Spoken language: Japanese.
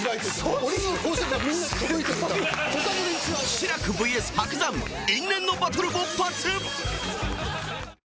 志らく ＶＳ 伯山因縁のバトル勃発！